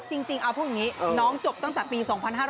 จริงเอาพูดอย่างนี้น้องจบตั้งแต่ปี๒๕๕๙